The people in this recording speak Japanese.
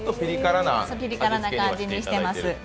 ピリ辛な感じにしてます。